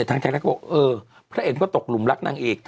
ทางจากนั้นก็บอกเออ